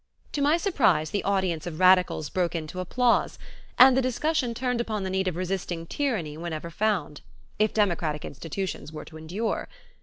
To my surprise, the audience of radicals broke into applause, and the discussion turned upon the need of resisting tyranny wherever found, if democratic institutions were to endure.